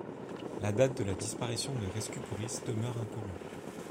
La date de la disparition de Rhescuporis demeure inconnue.